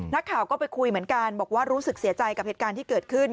นักข่าวก็ไปคุยเหมือนกันบอกว่ารู้สึกเสียใจกับเหตุการณ์ที่เกิดขึ้น